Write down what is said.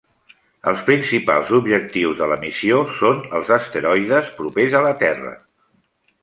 Els principals objectius de la missió són els asteroides propers a la Terra.